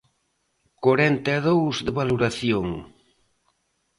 Corenta e dous de valoración.